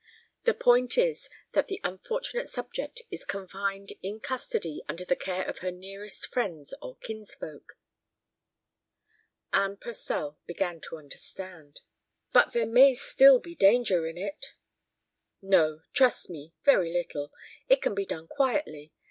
The point is—that the unfortunate subject is confined in custody under the care of her nearest friends or kinsfolk." Anne Purcell began to understand. "But there may still be danger in it." "No; trust me; very little. It can be done quietly.